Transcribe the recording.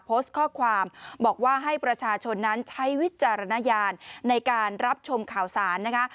โพสต์ข้อความบอกว่าให้ประชาชนนั้นใช้วิจารณญาณในการรับชมข่าวสารนะคะ